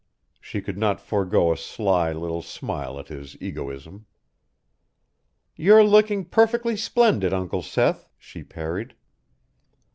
She could not forego a sly little smile at his egoism. "You're looking perfectly splendid, Uncle Seth," she parried.